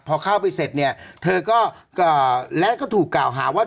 พอเข้าไปเสร็จเนี่ยเธอก็และก็ถูกกล่าวหาว่า